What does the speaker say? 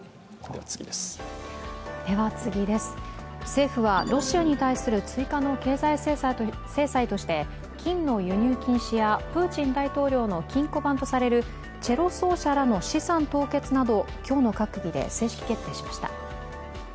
政府はロシアに対する追加の経済制裁として金の輸入禁止やプーチン大統領の金庫番とされるチェロ奏者らの資産凍結など今日の閣議で正式決定しました。